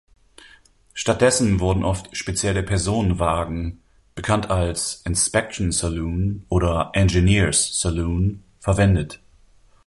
Stattdessen wurden oft spezielle Personenwagen (bekannt als "inspection saloon" oder "engineers saloon") verwendet.